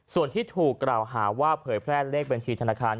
ส่วนที่ถูกกล่าวหาว่าเผยแพร่เลขบัญชีธนาคาร